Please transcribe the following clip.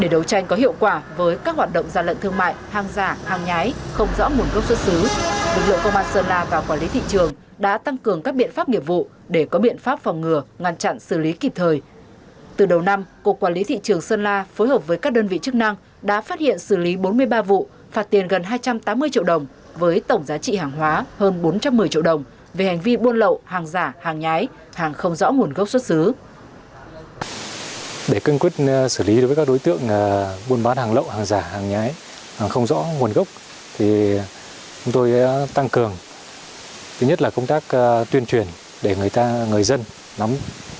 để đấu tranh có hiệu quả với các hoạt động gian lận thương mại hàng giả hàng nhái không rõ nguồn gốc xuất xứ bình hòa xã xuân phú tổ công tác phát hiện trên xe ngoài trường hành khách còn có nhiều hàng hóa không có tem nhãn nguồn gốc xuất xứ gồm một mươi ba tám ngàn đồng